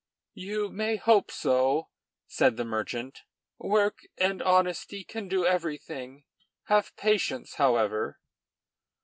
"You may hope so," said the merchant. "Work and honesty can do everything; have patience, however."